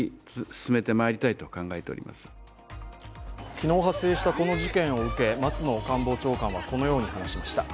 昨日発生したこの事件を受け、松野官房長官はこのように話しました。